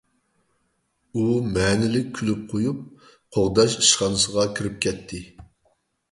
ئۇ مەنىلىك كۈلۈپ قويۇپ، قوغداش ئىشخانىسىغا كىرىپ كەتتى.